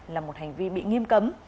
là một hành vi bị nghiêm cấm